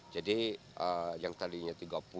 jadi yang tadinya tiga puluh